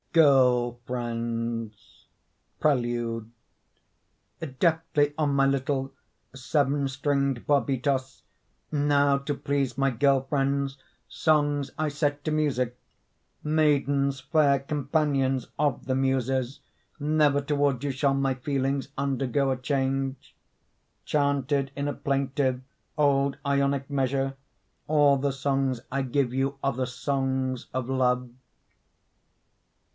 GIRL FRIENDS PRELUDE Deftly on my little Seven stringed barbitos, Now to please my girl friends Songs I set to music. Maidens fair, companions Of the Muses, never Toward you shall my feelings Undergo a change. Chanted in a plaintive Old Ionic measure, All the songs I give you Are the songs of love.